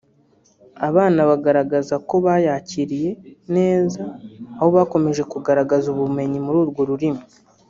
abana bagaragaza ko bayakiriye neza aho bakomeje kugaragaza ubumenyi muri urwo rurimi